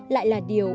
lại là điều